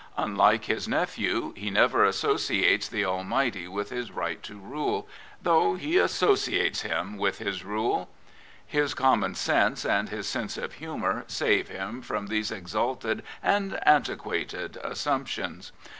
Un like his nephew, be never associates the Almighty 8 King Edward VII with his right to rule, though he associates Him with his rule. His common sense and his gift of humour save him from these exalted and antiquated assump tions.